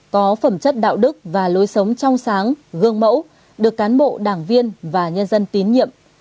có phẩm chất đạo đức và lối sống trong sáng gương mẫu được cán bộ đảng viên và nhân dân tín nhiệm